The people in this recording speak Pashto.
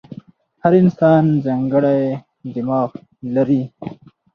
هر انسان ځانګړی دماغ لري.